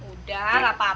udah semester berakhir